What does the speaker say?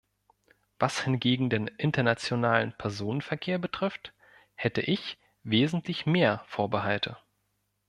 Was hingegen den internationalen Personenverkehr betrifft, hätte ich wesentlich mehr Vorbehalte.